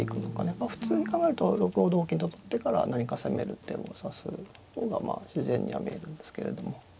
まあ普通に考えると６五同銀と取ってから何か攻める手を指す方が自然には見えるんですけれども。